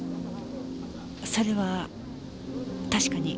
それは確かに。